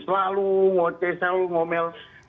selalu ngoceh selalu ngomel